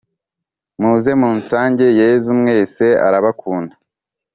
Muze musange yesu mwese arabakunda